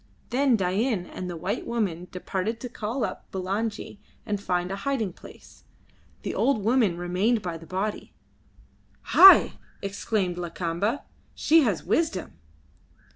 Then Dain and the white woman departed to call up Bulangi and find a hiding place. The old woman remained by the body." "Hai!" exclaimed Lakamba. "She has wisdom."